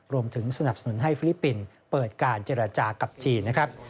รวมถึงสนับสนุนให้ฟิลิปปินส์เปิดการเจรจากับจีนนะครับ